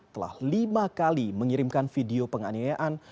telah lima kali mengirimkan video penganiayaan